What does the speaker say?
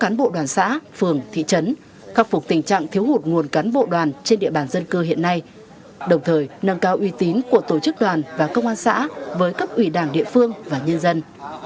các cán bộ đoàn xã phường thị trấn khắc phục tình trạng thiếu hụt nguồn cán bộ đoàn trên địa bàn dân cư hiện nay đồng thời nâng cao uy tín của tổ chức đoàn và công an xã với cấp ủy đảng địa phương và nhân dân